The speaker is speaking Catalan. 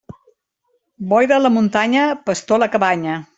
Boira a la muntanya, pastor a la cabanya.